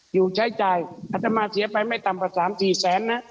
อยู่ใช้ใจอัธมาสิยะไปไม่ต่ำกว่า๓๔แสน